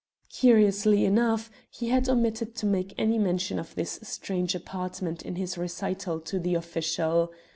Curiously enough, he had omitted to make any mention of this strange apartment in his recital to the official.